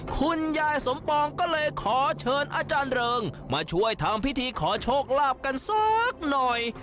คุณยายสมปองก็เลยขอเชิญอาจารย์เริงมาช่วยทำพิธีขอโชคลาภกันสักหน่อย